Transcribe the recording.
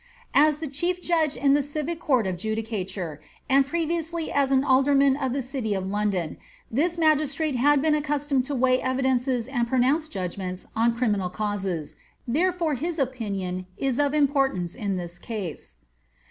As the chief judge in the civic court of judicature, and pre viously as an alderman of the city of London, this magistrate had been accustomed to weigh evidences and pronounce judgments on criminal causes, therefore his opinion is of importance in this case.